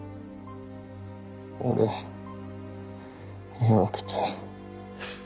俺弱くて。